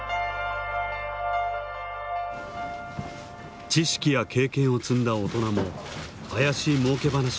知識や経験を積んだ大人も怪しいもうけ話に惑わされてしまう。